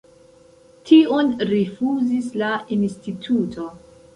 Tion rifuzis la instituto.